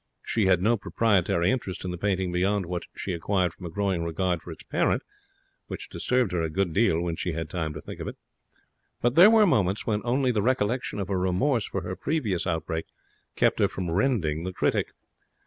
She had no proprietary interest in the painting beyond what she acquired from a growing regard for its parent (which disturbed her a good deal when she had time to think of it); but there were moments when only the recollection of her remorse for her previous outbreak kept her from rending the critic.